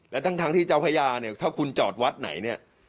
และทั้งที่เจ้าพญาถ้าคุณจอดวัดไหน